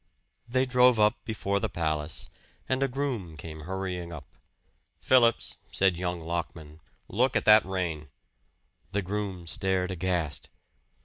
They drove up before the palace, and a groom came hurrying up. "Phillips," said young Lockman, "look at that rein!" The groom stared aghast.